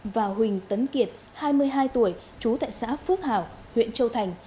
và huỳnh tấn kiệt hai mươi hai tuổi trú tại xã phước hảo huyện châu thành